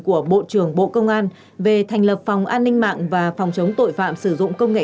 của bộ trưởng bộ công an về thành lập phòng an ninh mạng và phòng chống tội phạm sử dụng công nghệ